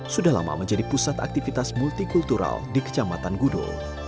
sudah lama menjadi pusat aktivitas multikultural di kecamatan gudo